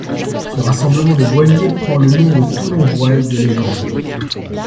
Ce rassemblement de voiliers prend le nom de Toulon Voiles de Légende.